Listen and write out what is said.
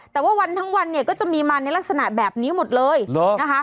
แต่ว่าวันทั้งวันเนี่ยก็จะมีมาในลักษณะแบบนี้หมดเลยเหรอนะคะ